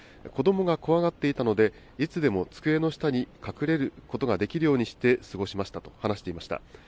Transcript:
子どもが怖がっていたのでいつでも机の下に隠れることができるようにして過ごしましたと話していました。